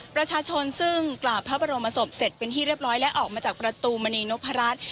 ประชาชนซึ่งกราบพระบรมศพเสร็จเป็นที่เรียบร้อยและออกมาจากประตูมณีนพรัช